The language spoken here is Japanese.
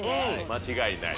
間違いない。